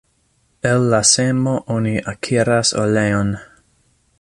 El la semo oni akiras oleon.